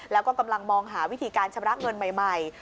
แล้วก็กำลังมองหาวิธีการชำระเงินใหม่